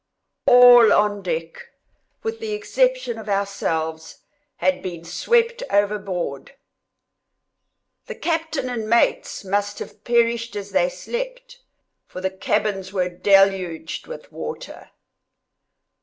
All on deck, with the exception of ourselves, had been swept overboard;—the captain and mates must have perished as they slept, for the cabins were deluged with water.